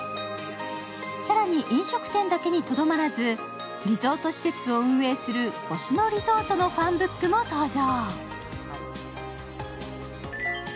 更に飲食店だけにとどまらずリゾート施設を運営する、星野リゾートのファンブックも登場。